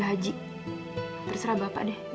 kamu udah selama korban